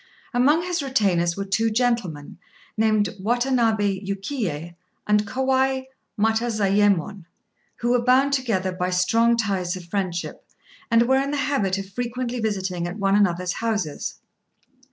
Among his retainers were two gentlemen, named Watanabé Yukiyé and Kawai Matazayémon, who were bound together by strong ties of friendship, and were in the habit of frequently visiting at one another's houses.